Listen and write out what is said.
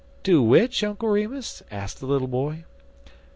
"Do which, Uncle Remus?" asked the little boy.